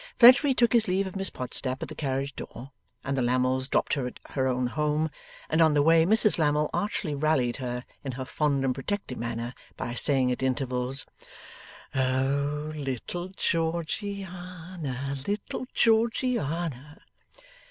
Fledgeby took his leave of Miss Podsnap at the carriage door, and the Lammles dropped her at her own home, and on the way Mrs Lammle archly rallied her, in her fond and protecting manner, by saying at intervals, 'Oh little Georgiana, little Georgiana!